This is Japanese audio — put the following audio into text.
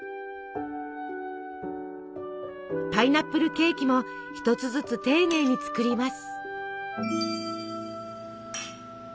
パイナップルケーキも一つずつ丁寧に作ります。